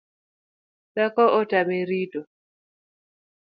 Dhako otame rito